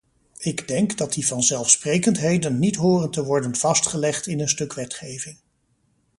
Ik denk dat die vanzelfsprekendheden niet horen te worden vastgelegd in een stuk wetgeving.